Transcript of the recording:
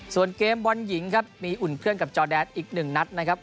ส่วนเกมบอลหญิงครับมีอุ่นเครื่องกับจอแดนอีกหนึ่งนัดนะครับ